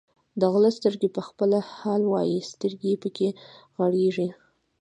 د غله سترګې په خپله حال وایي، سترګې یې پکې غړېږي.